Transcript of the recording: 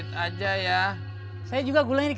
kopi sama gorengan dua